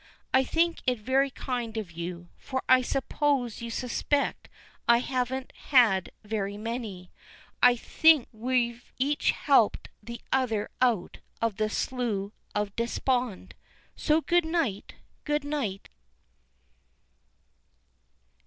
I think it very kind of you, for I suppose you suspect I haven't had very many. I think we've each helped the other out of the Slough of Despond. So good night, good night!"